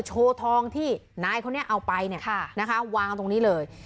โชว์ทองที่นายเขาเนี่ยเอาไปค่ะนะคะวางตรงนี้เลย